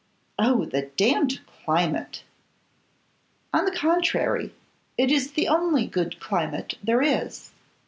'Oh! the damned climate!' 'On the contrary, it is the only good climate there is.